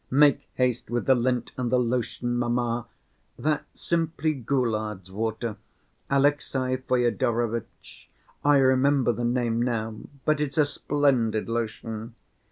"Make haste with the lint and the lotion, mamma. That's simply Goulard's water, Alexey Fyodorovitch, I remember the name now, but it's a splendid lotion.